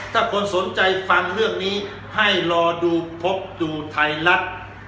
ถ้าคนสนใจฟังเรื่องนี้ให้รอดูพบดูไทยรัฐ